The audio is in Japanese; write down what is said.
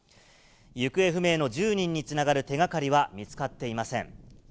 行方不明の１０人につながる手がかりは見つかっていません。